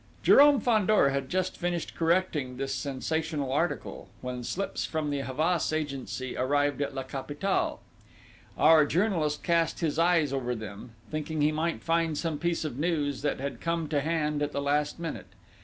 Jérôme Fandor had just finished correcting this sensational article, when slips from the Havas Agency arrived at La Capitale. Our journalist cast his eyes over them, thinking he might find some piece of news which had come to hand at the last minute.